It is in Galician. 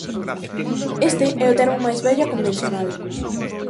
Este é o termo máis vello e convencional.